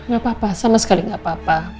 gak apa apa sama sekali nggak apa apa